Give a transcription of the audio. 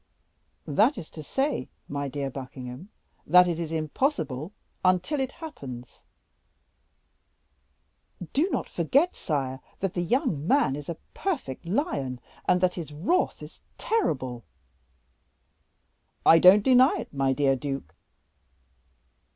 "That is to say, my dear Buckingham, that it is impossible until it happens." "Do not forget, sire, that the young man is a perfect lion, and that his wrath is terrible." "I don't deny it, my dear duke."